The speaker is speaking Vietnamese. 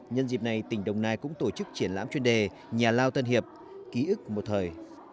nhân dịp này tỉnh đồng nai cũng tổ chức triển lãm chuyên đề nhà lao tân hiệp ký ức một thời